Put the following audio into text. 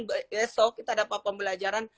besok kita dapat pembelajaran